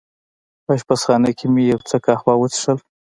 په اشپزخانه کې مې یو څه قهوه وڅېښل.